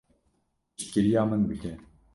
Piştgiriya min bike.